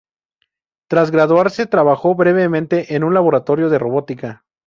Tras graduarse trabajó brevemente en un laboratorio de robótica.